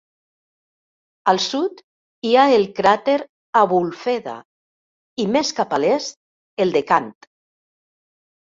Al sud hi ha el cràter Abulfeda i més cap a l'est, el de Kant.